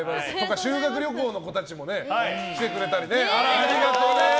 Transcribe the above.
修学旅行の子たちも来てくれたりね。